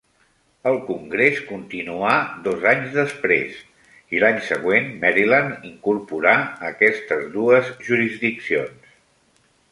El congrés continuà dos anys després, i l'any següent Maryland incorporà aquestes dues jurisdiccions.